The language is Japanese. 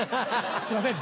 すいません